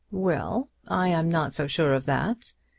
"Well; I am not so sure of that.